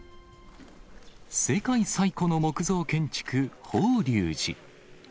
世界最古の木造建築、法隆寺。